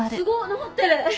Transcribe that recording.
直ってる。